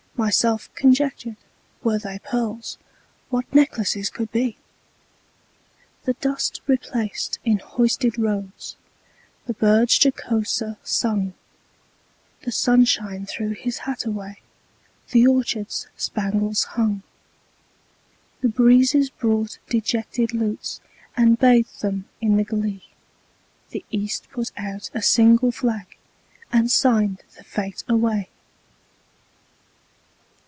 Myself conjectured, Were they pearls, What necklaces could be! The dust replaced in hoisted roads, The birds jocoser sung; The sunshine threw his hat away, The orchards spangles hung. The breezes brought dejected lutes, And bathed them in the glee; The East put out a single flag, And signed the fete away.